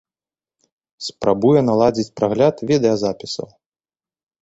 Спрабуе наладзіць прагляд відэазапісаў.